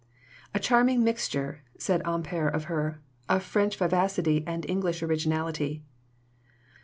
"A charming mixture," said Ampère of her, "of French vivacity and English originality."